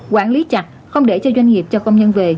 quản lý chặt không để cho doanh nghiệp cho công nhân về